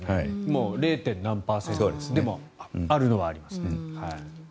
０．何パーセントではありますがでも、あるのはありますね。